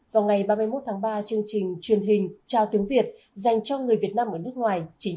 vào ngày ba mươi một tháng ba chương trình truyền hình chào tiếng việt dành cho người việt nam ở nước ngoài